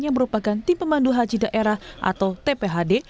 yang merupakan tim pemandu haji daerah atau tphd